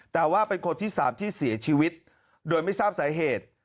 แต่ว่าเป็นคนที่๓ที่เสียชีวิตโดยไม่ทราบสาเหตุ